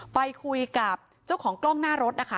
ไปคุยกับเจ้าของกล้องหน้ารถนะคะ